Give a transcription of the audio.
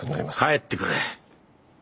帰ってくれ！